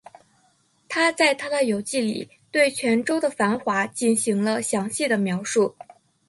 他在他的游记里对泉州的繁华进行了详细的描述。